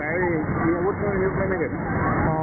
แต่มีอาวุธมาอยู่ไม่เห็น